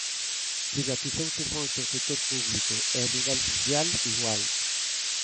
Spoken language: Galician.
Privatizouse moito o sector público e a nivel mundial igual.